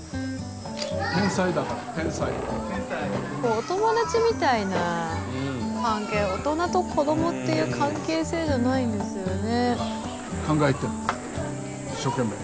お友達みたいな関係大人と子どもっていう関係性じゃないんですよね。